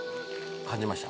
感じました？